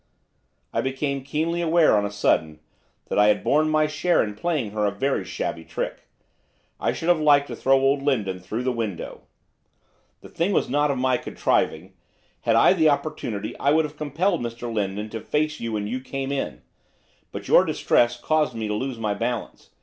I became keenly aware, on a sudden, that I had borne my share in playing her a very shabby trick, I should have liked to throw old Lindon through the window. 'The thing was not of my contriving. Had I had the opportunity I would have compelled Mr Lindon to face you when you came in. But your distress caused me to lose my balance.